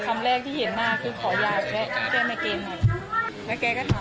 คำแรกที่เห็นหน้าคือขอยาอยู่แล้วแกใหม่เกลียดไหม